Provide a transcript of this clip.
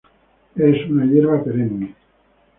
Es una hierba perenne.